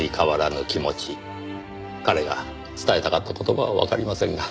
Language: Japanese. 彼が伝えたかった言葉はわかりませんが。